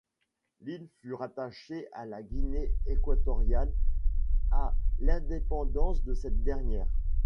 L'île fut rattachée à la Guinée équatoriale à l'indépendance de cette dernière.